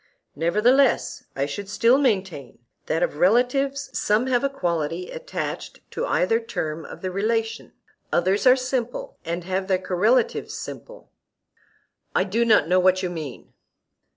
Nevertheless I should still maintain, that of relatives some have a quality attached to either term of the relation; others are simple and have their correlatives simple. I do not know what you mean.